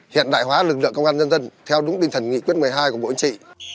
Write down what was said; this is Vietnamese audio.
hiện đại hóa lực lượng công an nhân dân theo đúng tinh thần nghị quyết một mươi hai của bộ chính trị